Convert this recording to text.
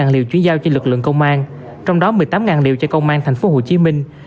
hai mươi liều chuyển giao cho lực lượng công an trong đó một mươi tám liều cho công an tp hcm